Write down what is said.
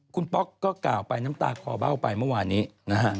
คุณป๊อกก็กล่าวไปน้ำตาคอเบ้าไปเมื่อวานนี้นะฮะ